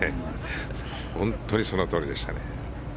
本当にそのとおりでしたね。